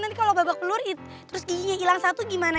nanti kalo babak pelur terus giginya ilang satu gimana